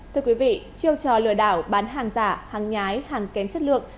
thưa quý vị chiêu trò lừa đảo bán hàng giả hàng nhái hàng kém chất lượng